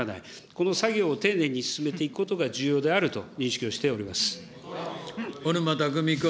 この作業を丁寧に進めていくことが重要であると認識をしておりま小沼巧君。